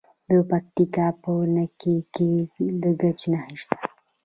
د پکتیکا په نکې کې د ګچ نښې شته.